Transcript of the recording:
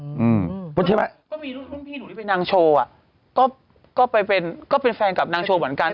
เพราะฉะนั้นก็มีรุ่นรุ่นพี่หนูที่เป็นนางโชว์อ่ะก็ก็ไปเป็นก็เป็นแฟนกับนางโชว์เหมือนกัน